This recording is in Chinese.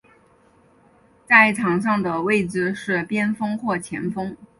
在场上的位置是边锋或前锋。